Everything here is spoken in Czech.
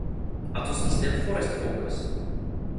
A co systém Forest Focus?